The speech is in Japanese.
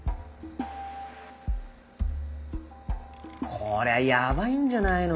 こりゃやばいんじゃないの。